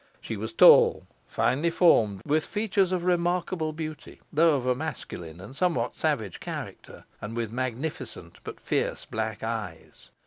She was tall, finely formed, with features of remarkable beauty, though of a masculine and somewhat savage character, and with magnificent but fierce black eyes.